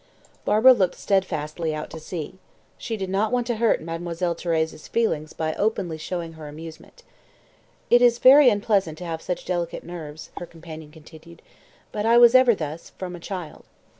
Barbara looked steadfastly out to sea. She did not want to hurt Mademoiselle Thérèse's feelings by openly showing her amusement. "It is very unpleasant to have such delicate nerves," her companion continued; "but I was ever thus from a child."